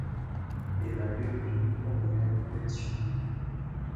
بېلابېلو توکو او مریانو وینز شتمن کړ.